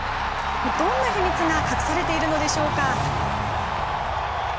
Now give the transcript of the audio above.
どんな秘密が隠されているのでしょうか。